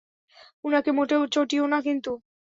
উনাকে মোটেও চটিও না কিন্তু!